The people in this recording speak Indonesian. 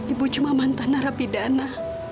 ibu cuma mantanara pidana